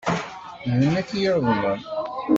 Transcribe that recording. D nekk i yuḍnen.